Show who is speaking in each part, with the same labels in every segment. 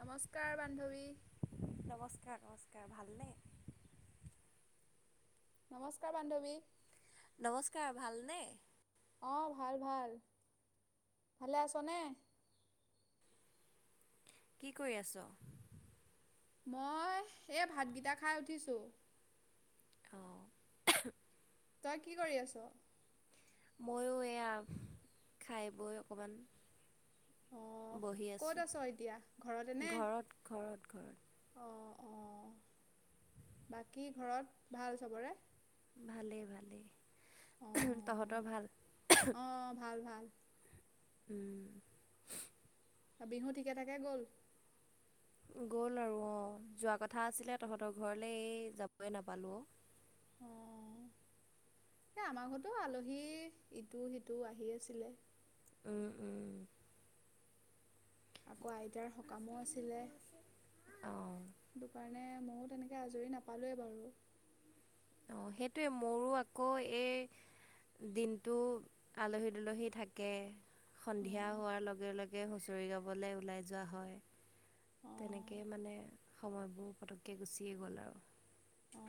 Speaker 1: নমস্কাৰ, বান্ধৱী।
Speaker 2: নমস্কাৰ, নমস্কাৰ, ভালনে?
Speaker 1: নমস্কাৰ, বান্ধৱী।
Speaker 2: নমস্কাৰ ভালনে?
Speaker 1: অ' ভাল ভাল ভালে আছোনে?
Speaker 2: কি কৰি আছোঁ?
Speaker 1: মই এই ভাতকেইটা খাই উঠিছোঁ।
Speaker 2: অ'
Speaker 1: তই কি কৰি আছোঁ।
Speaker 2: মইয়ো এইয়া খাই বৈ অকণমান
Speaker 1: অঁ।
Speaker 2: বহি
Speaker 1: ক'ত
Speaker 2: আছোঁ।
Speaker 1: আছ এতিয়া?
Speaker 2: ঘৰত ঘৰত ঘৰত।
Speaker 1: অ' অ' বাকী ঘৰত ভাল চবৰে?
Speaker 2: ভালেই ভালেই তহঁতৰ ভাল?
Speaker 1: অ' ভাল ভাল।
Speaker 2: উম।
Speaker 1: বিহু ঠিকে থাকে গ'ল?
Speaker 2: গ'ল আৰু অ'। যোৱা কথা আছিলে তহঁতৰ ঘৰলৈ এই যাবই নাপালোঁ অ'।
Speaker 1: এই আমাৰ ঘৰতো আলহী ইটো সিটো আহি আছিলে।
Speaker 2: উম-উম।
Speaker 1: আকৌ আইতাৰ সকামো আছিলে।
Speaker 2: অ
Speaker 1: সেইটো কাৰণে ময়ো তেনেকৈ আজৰি নাপালোৱোৱেই বাৰু।
Speaker 2: অ সেইটোৱে মোৰো আকৌ এই দিনটো আলহী-দুলহী থাকে। সন্ধিয়া হোৱাৰ
Speaker 1: অঁ
Speaker 2: লগে লগে হুঁচৰি গাবলৈ ওলাই যোৱা হয়।
Speaker 1: অঁ।
Speaker 2: তেনেকৈ মানে সময়বোৰ পটককৈ গুচিয়ে গ'ল আৰু।
Speaker 1: অ।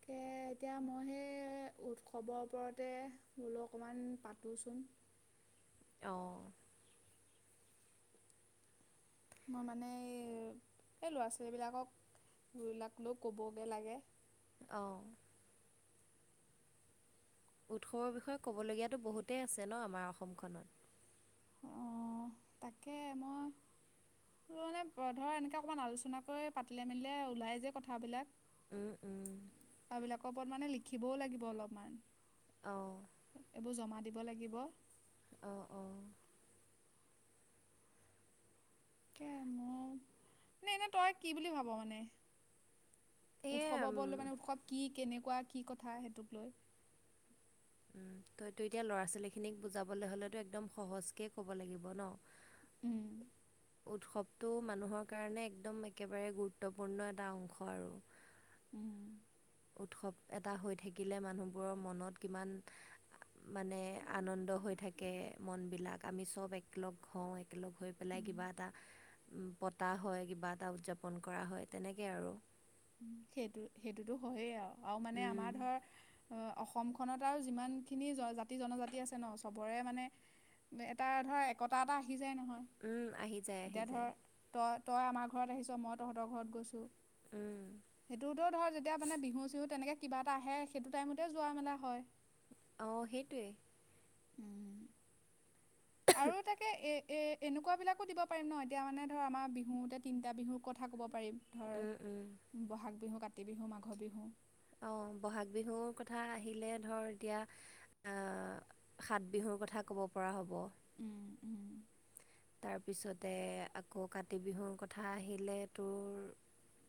Speaker 1: তাকে এতিয়া মই সেই উৎসৱৰ ওপৰতে বোলো অকণমান পাতোচোন।
Speaker 2: অ।
Speaker 1: মই মানে এই ল'ৰা ছোৱালীবিলাকক এইবিলাক লৈ ক'বগৈ লাগে।
Speaker 2: অ উৎসৱৰ বিষয়ে ক'বলগিয়াটো বহুতেই আছে ন আমাৰ অসমখনত।
Speaker 1: অ তাকে মই তোৰ সেই ধৰ এনেকে অকণমান আলোচনা কৰি পাতিলে মেলিলে ওলাই যে কথাবিলাক।
Speaker 2: উম-উম।
Speaker 1: সেইবিলাকৰ ওপৰত মানে লিখিবও লাগিব অলপমান।
Speaker 2: অ।
Speaker 1: এইবোৰ জমা দিব লাগিব।
Speaker 2: অ-অ।
Speaker 1: তাকে মোৰ নে এনে তই কি বুলি ভাব মানে?
Speaker 2: এই
Speaker 1: উৎসৱৰ
Speaker 2: উম,
Speaker 1: ওপৰতলৈ মানে উৎসৱ কি কেনেকুৱা কি কথা সেইটোক লৈ।
Speaker 2: উম তইতো এতিয়া ল'ৰা ছোৱালীখিনিক বুজাবলৈ হ'লেতো একদম সহজকে ক'ব লাগিব ন?
Speaker 1: উম।
Speaker 2: উৎসৱটো মানুহৰ কাৰণে একদম একেবাৰে গুৰুত্বপূৰ্ণ এটা অংশ আৰু।
Speaker 1: উম
Speaker 2: উৎসৱ এটা হৈ থাকিলে মানুহবোৰৰ মনত কিমান মানে আনন্দ হৈ থাকে মন বিলাক আমি চব একেলগ হওঁ। একেলগ হৈ পেলাই
Speaker 1: উম
Speaker 2: কিবা এটা পতা হয় কিবা এটা উদযাপন কৰা হয় তেনেকে আৰু।
Speaker 1: সেইটো সেইটোত হয়েই আৰু মানে
Speaker 2: উম,
Speaker 1: আমাৰ ধৰ অ অসমখনত আৰু যিমান খিনি জাতি জনজাতি আছে ন চবৰে মানে এটা ধৰা একতা এটা আহি যায় নহয়।
Speaker 2: উম আহি যায়-আহি যায়।
Speaker 1: তই-তই আমাৰ ঘৰত আহিছ মই তহঁতৰ ঘৰত গৈছো।
Speaker 2: উম।
Speaker 1: সেইটোতো ধৰ যেতিয়া মানে বিহু- চিহু তেনেকৈ কিবা এটা আহে সেইটো টাইমতে যোৱা মেলা হয়।
Speaker 2: অ সেইটোৱেই।
Speaker 1: উম। আৰু তাকে এ এ এনেকুৱাবিলাকো দিব পাৰিম ন এতিয়া মানে ধৰ আমাৰ বিহুতে তিনিটা বিহুৰ কথা ক'ব পাৰিম। ধৰ বহাগ বিহু, কাতি বিহু, মাঘৰ বিহু,
Speaker 2: অঁ বহাগ বিহুৰ কথা আহিলে ধৰ এতিয়া, আহ সাত বিহুৰ কথা ক'ব পৰা হ'ব।
Speaker 1: উম উম!
Speaker 2: তাৰপিছতে আকৌ কাতি বিহুৰ কথা আহিলে তোৰ,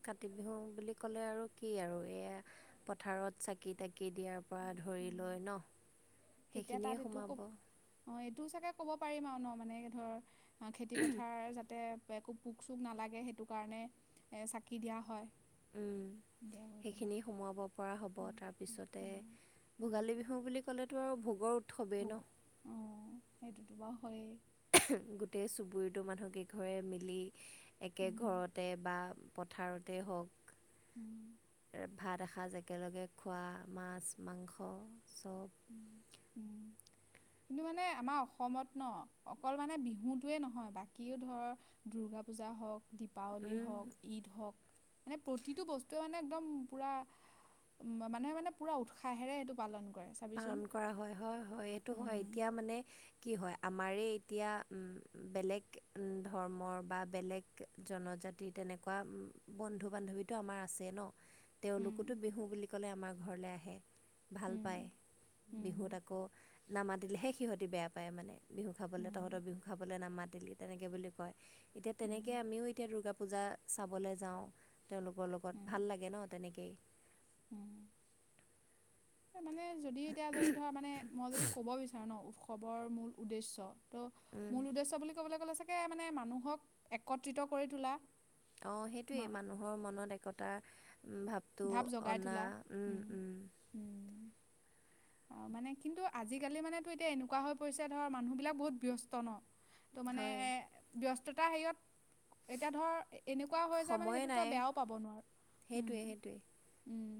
Speaker 2: কাতি বিহু বুলি ক'লে আৰু কি আৰু এইয়া পথাৰত চাকি তাকি দিয়াৰ পৰা ধৰি
Speaker 1: উম।
Speaker 2: লৈ ন'
Speaker 1: তেতিয়া তাত
Speaker 2: সেইখিনিয়ে
Speaker 1: এইটো ক'ব
Speaker 2: সোমাব।
Speaker 1: অ', এইটোও চাগে ক'ব পাৰিম আৰু ন' মানে ধৰ খেতি-পথাৰ যাতে একো পোক-চোক নালাগে সেইটো কাৰণে চাকি দিয়া হয়।
Speaker 2: উম,
Speaker 1: সন্ধিয়া গৈ পেলাই
Speaker 2: সেইখিনি সোমোৱাব পৰা হ'ব
Speaker 1: উম উম
Speaker 2: তাৰপিছতে
Speaker 1: উম উম
Speaker 2: ভোগালী বিহু বুলি ক'লেতো আৰু ভোগৰ উৎসৱেই
Speaker 1: ভোগ
Speaker 2: ন
Speaker 1: অ', সেইটোতো বাৰু হয়ে।
Speaker 2: গোটেই চুবুৰীটো মানুহক কেইঘৰে মিলি একে
Speaker 1: উম
Speaker 2: ঘৰতে বা পথাৰতে হওক
Speaker 1: উম
Speaker 2: ভাত এসাঁজ একেলগে খোৱা মাছ, মাংস চব।
Speaker 1: উম, উম। কিন্তু মানে আমাৰ অসমত ন' অকল মানে বিহুতোৱে নহয় বাকীও ধৰ দুৰ্গা পূজা হ'ওক, দীপাৱলী
Speaker 2: চব
Speaker 1: হ'ওক ঈদ হ'ওক মানে, প্ৰতিটো বস্তুৱে মানে একদম পুৰা উ, মানুহে মানে পুৰা উৎসাহেৰে এইটো পালন কৰে। চাবিচোন
Speaker 2: পালন কৰা হয়, হয়, হয়, এইটো হয়
Speaker 1: উম
Speaker 2: এতিয়া মানে কি হয় আমাৰেই এতিয়া উম, বেলেগ ধৰ্মৰ বা বেলেগ জনজাতি তেনেকুৱা বন্ধু-বান্ধৱীতো আমাৰ আছে ন'! তেওঁলোকতো
Speaker 1: উম
Speaker 2: বিহু বুলি ক'লে আমাৰ ঘৰলৈ আহে, ভাল
Speaker 1: উম
Speaker 2: পায়। বিহুত
Speaker 1: উম
Speaker 2: আকৌ নামাতিলেহে সিহঁতি বেয়া পায় মানে। বিহু খাবলৈ
Speaker 1: উম
Speaker 2: তহঁতৰ বিহু খাবলৈ নামাতিলি, তেনেকে বুলি কয়। এতিয়া
Speaker 1: উম
Speaker 2: তেনেকে আমিও এতিয়া দুূৰ্গা পূজা চাবলৈ যাওঁ। তেওঁলোকৰ লগত
Speaker 1: উম
Speaker 2: ভাল লাগে ন' তেনেকেই।
Speaker 1: উম মানে যদি এতিয়া যদি ধৰ মানে মই যদি ক'ব বিচাৰো ন' উৎসৱৰ মূল উদ্দেশ্য। ত'
Speaker 2: উম
Speaker 1: মূল উদ্দেশ্য বুলি ক'বলৈ গ'লে চাগে মানে মানুহক একত্ৰিত কৰি তোলা।
Speaker 2: অ',
Speaker 1: মা
Speaker 2: সেইটোৱেই মানুহৰ মনত একতাৰ ভাৱ টো
Speaker 1: জগাই
Speaker 2: অনা
Speaker 1: তোলা
Speaker 2: উম, উম।
Speaker 1: উম। মানে কিন্তু আজিকালি মানে তোৰ এতিয়া এনেকুৱা হৈ পৰিছে ধৰ মানুহবিলাক বহুত ব্যস্ত ন'। ত' মানে
Speaker 2: হয়
Speaker 1: ব্যস্ততা হেৰিয়ত এতিয়া ধৰ এনেকুৱা হৈ যায় মানে
Speaker 2: সময়ে
Speaker 1: সেইটোতো
Speaker 2: নাই
Speaker 1: তই বেয়াও পাব নোৱাৰ উম,
Speaker 2: সেইটোৱে সেইটোৱে
Speaker 1: উম।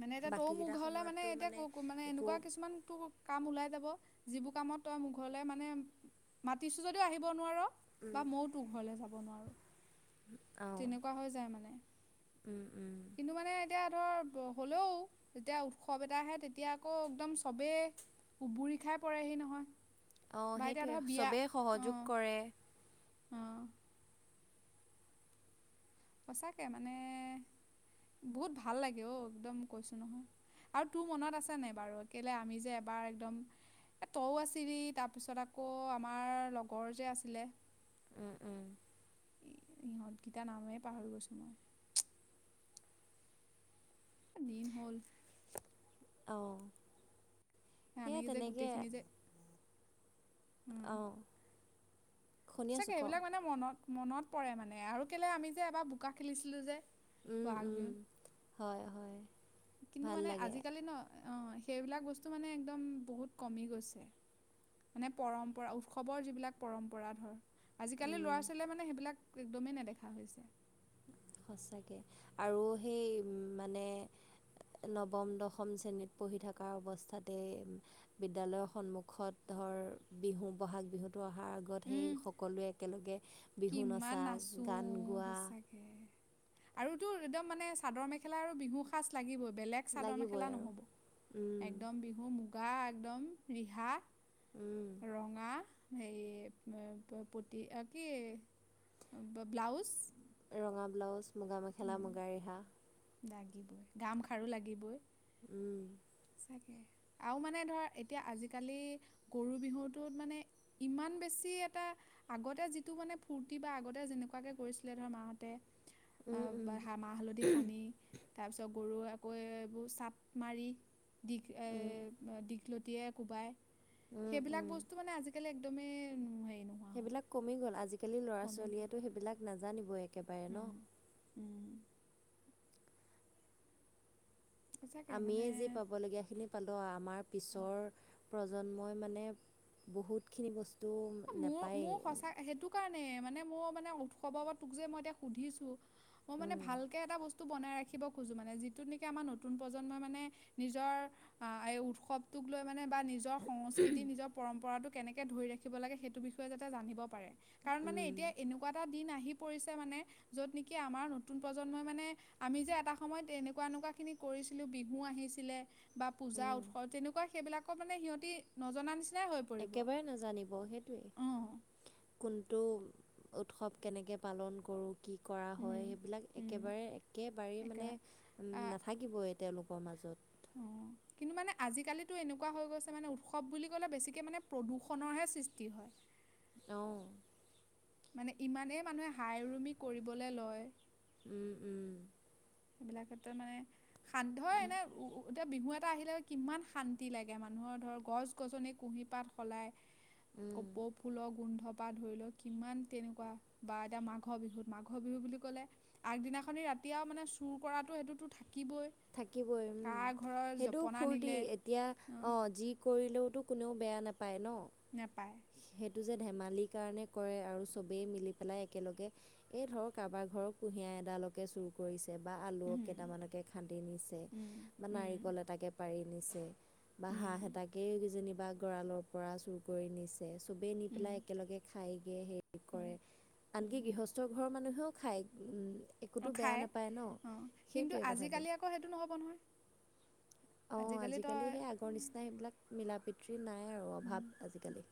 Speaker 1: মানে এতিয়া তইও মোৰ
Speaker 2: বাকীকেইটা
Speaker 1: ঘৰলৈ মানে
Speaker 2: সময়ততো
Speaker 1: এতিয়া মানে
Speaker 2: একো
Speaker 1: এনেকুৱা কিছুমান তোৰ কাম ওলাই যাব, যিবোৰ কামত তই মোৰ ঘৰলৈ মানে মাতিছোঁ যদিও আহিব নোৱাৰ।
Speaker 2: উম
Speaker 1: বা মইও তোৰ ঘৰলে যাব নোৱাৰো,
Speaker 2: অঁ
Speaker 1: তেনেকুৱা হৈ যায় মানে।
Speaker 2: উম, উম।
Speaker 1: কিন্তু মানে এতিয়া ধৰ হ'লেও যেতিয়া উৎসৱ এটা আহে তেতিয়া আকৌ একদম চবেই উবুৰি খাই পৰেহি নহয়।
Speaker 2: অ',
Speaker 1: বা এতিয়া
Speaker 2: সেইটোৱে
Speaker 1: ধৰ বিয়া
Speaker 2: চবে সহযোগ কৰে।
Speaker 1: অ'। সঁচাকে মানে বহুত ভাল লাগে অ', একদম কৈছো নহয়। আৰু তোৰ মনত আছে নাই বাৰু কেলে আমি যে এবাৰ একদম এ তইও আছিলি তাৰপিছত আকৌ আমাৰ লগৰ যে আছিলে।
Speaker 2: উম, উম।
Speaker 1: ইহঁত কিতাৰ নামেই পাহৰি গৈছোঁ মই। দিন হ'ল।
Speaker 2: অ'।
Speaker 1: আমি যে গোটেইখিনি যে
Speaker 2: অ'।
Speaker 1: সঁচাকে, সেইবিলাক মানে মনত মনত পৰে মানে আৰু কেলে আমি যে এবাৰ বোকা খেলিছিলো যে,
Speaker 2: উম
Speaker 1: বহাগ
Speaker 2: উম
Speaker 1: বিহুত।
Speaker 2: হয়, হয়।
Speaker 1: কিন্তু
Speaker 2: ভাল
Speaker 1: মানে
Speaker 2: লাগে
Speaker 1: আজিকালি ন' অ সেইবিলাক বস্তু মানে একদম বহুত কমি গৈছে। মানে পৰম্পৰা- উৎসৱৰ যিবিলাক পৰম্পৰা ধৰ। আজিকালি
Speaker 2: উম
Speaker 1: ল'ৰা-ছোৱালীয়ে মানে সেইবিলাক একদমে নেদেখা হৈছে।
Speaker 2: সঁচাকে আৰু সেই মানে নৱম, দশম শ্ৰেণীত পঢ়ি থকা অৱস্থাতে বিদ্যালয়ৰ সন্মুখত ধৰ, বিহু- বহাগ বিহুত টো অহাৰ আগত সেই
Speaker 1: উম
Speaker 2: সকলোৱে একেলগে বিহু
Speaker 1: কিমান
Speaker 2: নচা,
Speaker 1: নাচো
Speaker 2: গান গোৱা
Speaker 1: [inaudible] আৰু তো একদম মানে চাদৰ মেখেলা আৰু বিহু সাজ লাগিবই। বেলেগ চাদৰ
Speaker 2: লাগিবই
Speaker 1: মেখেলা
Speaker 2: আৰু
Speaker 1: নহব,
Speaker 2: উম,
Speaker 1: একদম বিহু মু -গা একদম, ৰিহা,
Speaker 2: উম।
Speaker 1: ৰঙা সেই ম- প- পতি অ'- কি ব- ব্লাউছ
Speaker 2: ৰঙা ব্লাউছ, মুগা মেখেলা, মুগা ৰিহা
Speaker 1: লাগিবই, গাম খাৰু লাগিবই।
Speaker 2: উম।
Speaker 1: সঁচাকে আৰু মানে ধৰ, এতিয়া আজিকালি গৰু বিহুটোত মানে ইমান বেছি এটা আগতে যিটো মানে ফূৰ্তি বা আগতে যেনেকুৱাকে কৰিছিলে ধৰ মাহঁতে অ
Speaker 2: উম, উম,
Speaker 1: বা- হা- মাহ হালধি সানি, তাৰপিছত গৰু আকৌ এইবোৰ চাপ মাৰি দীঘ-
Speaker 2: উম,
Speaker 1: এই দীঘলতিৰে কোবায়,
Speaker 2: উম,
Speaker 1: সেইবিলাক
Speaker 2: উম।
Speaker 1: বস্তু মানে আজি কালি একদমেই হেৰি নহ
Speaker 2: সেইবিলাক কমি গ'ল। আজিকালিৰ ল'ৰা ছোৱালীয়েতো সেইবিলাক নাজানিবই একেবাৰে ন'।
Speaker 1: উম। সঁচাকে মানে
Speaker 2: আমিয়ে যি পাবলগীয়াখিনি পালোঁ। আমাৰ
Speaker 1: ভাল
Speaker 2: পিছৰ প্ৰজন্মই মানে বহুতখিনি বস্
Speaker 1: অ' মোৰ- মোৰ সঁচা- সেইটো কাৰণেই, মানে মোৰ মানে উৎসৱৰ ওপৰত তোক যে মই এতিয়া সুধিছোঁ মই মানে
Speaker 2: উম
Speaker 1: ভালকে এটা বস্ তু বনাই ৰাখিব খোজোঁ মানে, যিটোত নেকি আমাৰ নতুন প্ৰজন্মই মানে নিজৰ আ এই উৎসৱটোক লৈ মানে বা নি জৰ সংস্কৃতি, নিজৰ পৰম্পৰাটো কেনেকে ধৰি ৰাখিব লাগে, সেইটো বিষয়ে যাতে জানিব পাৰে। কাৰণ মানে এতিয়া
Speaker 2: উম
Speaker 1: এনেকুৱা এটা দিন আহি পৰিছে মানে, য'ত নেকি আমাৰ নতুন প্ৰজন্মই মানে আমি যে এটা সময়ত এনেকুৱা এনেকুৱাখিনি কৰিছিলোঁ, বিহু আহিছিলে, বা পূজা,
Speaker 2: উম,
Speaker 1: উৎস, তেনেকুৱা সেইবিলাকৰ মানে সিহঁতি নজনা নিচিনাই হৈ পৰিব
Speaker 2: একেবাৰে নাজানিব, সেইটোৱেই।
Speaker 1: অ
Speaker 2: কোনটো উৎসৱ কেনেকে পালন কৰোঁ। কি কৰা
Speaker 1: উম,
Speaker 2: হয়, সেইবিলাক
Speaker 1: উম,
Speaker 2: একেবাৰে একেবাৰেই মানে
Speaker 1: একেবাৰে
Speaker 2: নাথা কিবই তেওঁলোকৰ মাজত।
Speaker 1: অ'। কিন্তু মানে আজিকালিতো এনেকুৱা হৈ গৈছে মানে উৎসৱ বুলি ক'লে বেছিকৈ মানে প্ৰদূষণৰহে সৃষ্টি হয়।
Speaker 2: অ।
Speaker 1: মানে ইমানেই মানুহে হাই ৰুমি কৰিবলৈ লয়
Speaker 2: উম উম।
Speaker 1: সেইবিলাকেতো ক্ষেত্ৰত মানে সাধ্যয় এনে [unintelligible] এতিয়া বিহু এটা আহিলে কিমান শান্তি লাগে, মানুহৰ ধৰ গছ-গজনি কুঁহিপাত সলায়
Speaker 2: উম
Speaker 1: কপৌ ফুলৰ গোন্ধ ত পৰা ধৰি লওঁক কিমান তেনেকুৱা বা এতিয়া মাঘৰ বিহুত মাঘৰ বিহু বুলি ক'লে আগদিনাখনি ৰাতি আৰু মানে চোৰ কৰাটো সেইটোতো থাকিবই।
Speaker 2: থাকিবই উম,
Speaker 1: কাৰ ঘৰৰ
Speaker 2: সেইটো
Speaker 1: জপনা
Speaker 2: ফূৰ্তি
Speaker 1: নিলে
Speaker 2: এতিয়া
Speaker 1: অঁ
Speaker 2: অ' যি কৰিলেওতো কোনেও বেয়া নাপায় ন?
Speaker 1: নাপায়।
Speaker 2: সেইটো যে ধেমালিৰ কাৰণে কৰে, আৰু চবেই মিলি পেলাই একেলগে এই ধৰক কাৰোবাৰ ঘৰৰ কুঁহিয়া এডালকে চুৰ কৰিছে বা আলু
Speaker 1: উম
Speaker 2: কেইটামানকে খান্দি নিছে
Speaker 1: উম
Speaker 2: বা
Speaker 1: উম
Speaker 2: নাৰিকল এটাকে পাৰি নিছে বা
Speaker 1: উম
Speaker 2: হাঁহ এটাকে কেইজনিবা গঁৰালৰ পৰা চুৰ কৰি নিছে চবেই নি
Speaker 1: উম
Speaker 2: পেলাই একেলগে খাইগে হেৰি কি
Speaker 1: উম
Speaker 2: কৰে, আনকি
Speaker 1: উম
Speaker 2: গৃহস্থ ঘৰৰ মানুহেও খায়। উম
Speaker 1: অ খায়। অ কিন্তু
Speaker 2: কথাটো
Speaker 1: আজিকালি আকৌ সেইটো নহ'ব নহয়।
Speaker 2: অ আজিকালি
Speaker 1: তই
Speaker 2: সেই আগৰ
Speaker 1: উম,
Speaker 2: নিচিনা সেইবিলাক মিলা প্ৰিতিৰ নাই আৰু
Speaker 1: উম,
Speaker 2: অভাৱ আজিকালি।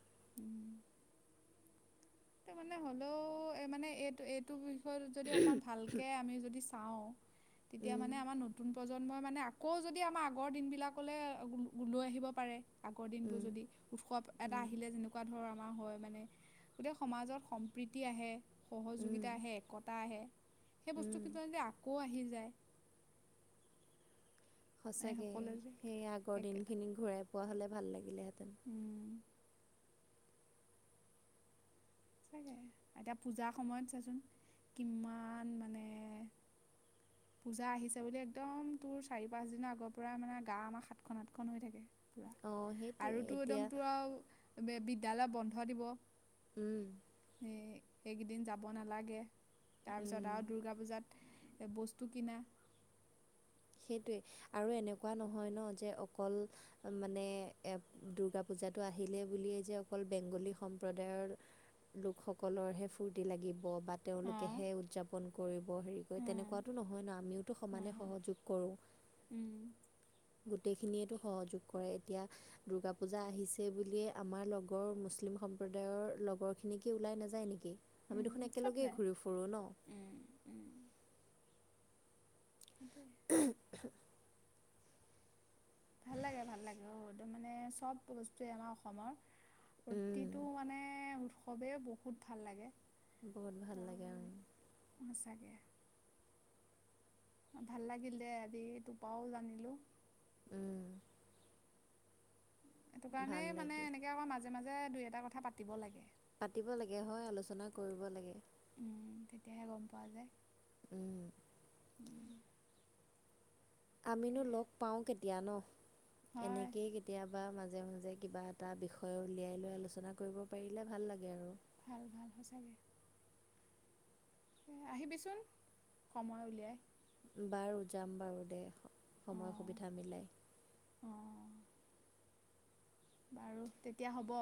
Speaker 1: তাৰ মানে হ'লেও মানে এইটো এইটো বিষয়ত যদি অকমান ভাল কে আমি যদি চাওঁ তেতিয়া
Speaker 2: উম
Speaker 1: মানে আমাৰ নতুন প্ৰজন্মই মানে আকৌ যদি আমাৰ আগৰ দিনবিলাকলৈ লৈ আহিব পাৰে আগৰ দিনবোৰ
Speaker 2: উম
Speaker 1: যদি উৎসৱ এটা
Speaker 2: উম
Speaker 1: আহিলে যেনেকুৱা ধৰ আমাৰ হয় মানে গোটেই সমাজত সম্প্ৰীতি আহে,
Speaker 2: উম
Speaker 1: সহযোগিতা আহে, একতা আহে, সেই
Speaker 2: উম,
Speaker 1: বস্তুকিছুমান যে আকৌ আহি যায়। এই
Speaker 2: সঁচাকৈ,
Speaker 1: সকলোৱে যে
Speaker 2: সেই আগৰ
Speaker 1: একে
Speaker 2: দিনখিনি ঘূৰাই পোৱা হ'লে ভাল লাগিলেহেঁতেন।
Speaker 1: উম, এতিয়া পূজাৰ সময়ত চাচোন কিমান মানে [inaudible] পূজা আহিছে বুলি একদম তোৰ চাৰি-পাঁচদিনৰ আগৰ পৰাই মানে গা আমাৰ সাতখন-আঠখন হৈ থাকে।
Speaker 2: অ', সেইটোৱে
Speaker 1: আৰু তো
Speaker 2: এতিয়া
Speaker 1: একদম তোৰ আৰু বিদ্যালয় বন্ধ দিব।
Speaker 2: উম।
Speaker 1: এই এইকেইদিন যাব নালাগে,
Speaker 2: উম।
Speaker 1: তাৰপিছত আৰু দুৰ্গা পূজাত এ বস্তু কিনা
Speaker 2: সেইটোৱে, আৰু এনেকুৱা নহয় ন যে অকল মানে এ দুৰ্গা পূজাটো আহিলে বুলিয়েই যে অকল বেংগলী সম্প্ৰদায়ৰ লোকসকলৰহে ফূৰ্তি লাগিব বা
Speaker 1: অঁ
Speaker 2: তেওঁলোকেহে উদযাপন কৰিব হেৰি
Speaker 1: উম
Speaker 2: তেনেকুৱাতো নহয় ন, আমিওতো সমানে
Speaker 1: নহয়
Speaker 2: সহযোগ কৰোঁ।
Speaker 1: উম
Speaker 2: গোটেইখিনিয়েতো সহযোগ কৰে এতিয়া দুূৰ্গা পূজা আহিছে বুলিয়ে আমাৰ লগৰ মুছলিম সম্প্ৰদায়ৰ লগৰ খিনিক কি ওলাই নাযায় নেকি? আমি দেখোন
Speaker 1: উম চব
Speaker 2: একেলগেই
Speaker 1: যায়
Speaker 2: ঘূৰি ফুৰোঁ ন।
Speaker 1: উম উম [inaudible]
Speaker 2: [unintelligible] [inaudible]
Speaker 1: ভাল লাগে ভাল লাগে অ একদম মানে চব বস্তুৱে আমাৰ অসমৰ
Speaker 2: উম,
Speaker 1: প্ৰতিটো মানে, উৎসৱেই বহুত ভাল লাগে।
Speaker 2: বহুত ভাল লাগে উম,
Speaker 1: অ', সঁচাকে। ভাল লাগিল দে আজি, এই তোৰ পাওঁ জানিলোঁ।
Speaker 2: উম্।
Speaker 1: সেইটো
Speaker 2: ভাল
Speaker 1: কাৰণেই মানে,
Speaker 2: লাগিল
Speaker 1: এনেকৈ আকৌ মাজে মাজে দুই এটা কথা পাতিব লাগে।
Speaker 2: পাতিব লাগে হয়, আলোচনা কৰিব লাগে।
Speaker 1: উম্, তেতিয়াহে গম পোৱা যায়।
Speaker 2: উম্।
Speaker 1: উম্।
Speaker 2: আমিনো লগ পাওঁ কেতিয়া ন'।
Speaker 1: হয়
Speaker 2: এনেকেই কেতিয়াবা মাজে মাজে কিবা এটা বিষয় উলিয়াই লৈ, আলোচনা কৰিব পাৰিলে ভাল লাগে আৰু।
Speaker 1: ভাল ভাল, সঁচাকৈ। আহিবিচোন, সময় উলিয়াই।
Speaker 2: বাৰু, যাম বাৰু দে, সময় সুবিধা মিলাই।
Speaker 1: অ'। বাৰু, তেতিয়া হ'ব।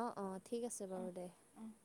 Speaker 2: অ' অ', ঠিক আছে
Speaker 1: অঁ
Speaker 2: বাৰু দে।
Speaker 1: অঁ